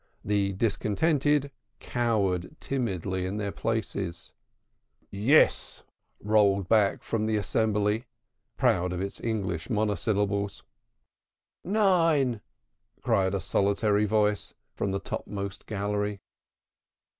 The discontented cowered timidly in their places. "Yes," rolled back from the assembly, proud of its English monosyllables. "Nein," cried a solitary voice from the topmost gallery.